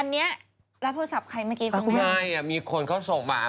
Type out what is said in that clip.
อันนี้แล้วโทรศัพท์ใครเมื่อกี้ตรงนั้นกับคุณต่างมีคนเขาส่งมา